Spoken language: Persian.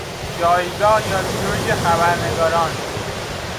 جایگاه یا لژ خبرنگاران